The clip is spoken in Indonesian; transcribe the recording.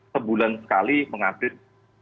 sebulan sekali mengambil